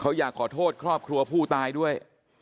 เขาอยากขอโทษครอบครัวผู้ตายด้วย